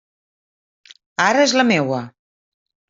Ara és la meua!